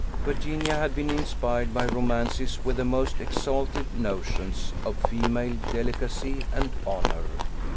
Virginia had been inspired by romances with the most exalted notions of female delicacy and honour!